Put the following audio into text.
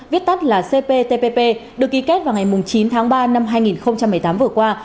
viết tắt là cptpp được ký kết vào ngày chín tháng ba năm hai nghìn một mươi tám vừa qua